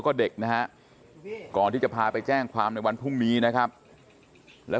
คุณกัลจอมพลังบอกจะมาให้ลบคลิปได้อย่างไร